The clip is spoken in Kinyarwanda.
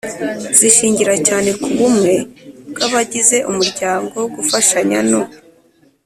zishingira cyane ku bumwe bw'abagize umuryango, gufashanya no